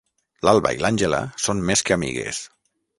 L'Alba i l'Àngela són més que amigues.